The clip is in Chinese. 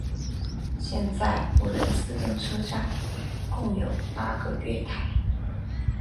现在普雷斯顿车站共有八个月台。